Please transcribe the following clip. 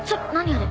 あれ。